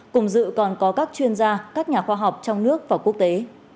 cùng dự còn có các chuyên gia các nhà khoa học trong nước và quốc tế